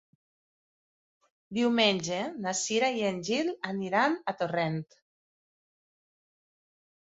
Diumenge na Cira i en Gil iran a Torrent.